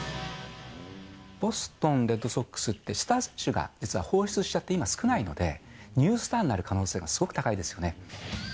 ボストンレッドソックスってスター選手が実は放出しちゃって今、少ないので、ニュースターになる可能性がすごく高いですよね。